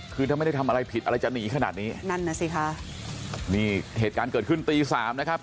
คือถ้าไม่ได้ทำอะไรผิดอะไรจะหนีขนาดนี้นั่นน่ะสิค่ะนี่เหตุการณ์เกิดขึ้นตีสามนะครับ